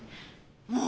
もう！